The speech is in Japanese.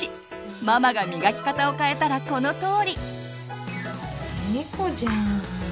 ママがみがき方を変えたらこのとおり。